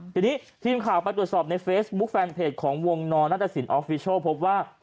ทีนี้ทีมข่าวไปตรวจสอบในเฟซบุ๊คแฟนเพจของวงนอนัตตสินออฟฟิชัลพบว่า